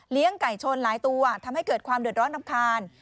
ไก่ชนหลายตัวทำให้เกิดความเดือดร้อนรำคาญ